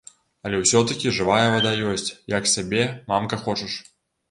Але ўсё-такі жывая вада ёсць, як сабе, мамка, хочаш!